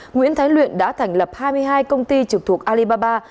nguyễn thái luyện đã thành lập hai mươi hai công ty trực thuộc alibaba